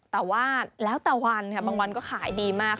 แต่ว่าแล้วแต่วันค่ะบางวันก็ขายดีมาก